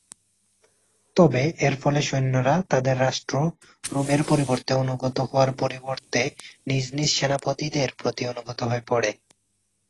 তবে, এর ফলে সৈন্যরা তাদের রাষ্ট্র রোমের পরিবর্তে অনুগত হওয়ার পরিবর্তে নিজ নিজ সেনাপতিদের প্রতি অনুগত হয়ে পড়ে।